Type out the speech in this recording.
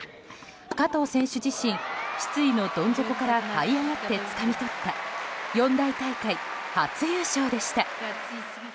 加藤選手自身失意のどん底からはい上がってつかみ取った四大大会初優勝でした。